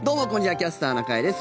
「キャスターな会」です。